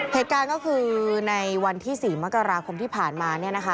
เหตุการณ์ก็คือในวันที่๔มกราคมที่ผ่านมา